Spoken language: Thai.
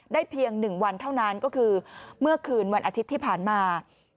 เพียง๑วันเท่านั้นก็คือเมื่อคืนวันอาทิตย์ที่ผ่านมา